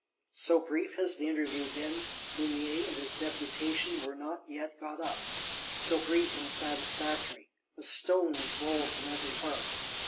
So brief has the interview been, Mounier and his Deputation were not yet got up. So brief and satisfactory. A stone is rolled from every heart.